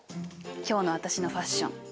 今日の私のファッション。